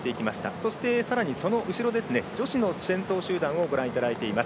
そしてさらにその後ろ女子の先頭集団をご覧いただいております。